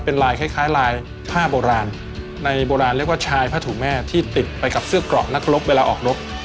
เป็นลายคล้ายลายผ้าโบราณในโบราณเรียกว่าชายผ้าถูแม่ที่ติดไปกับเสื้อกรอกนักรบเวลาออกรบ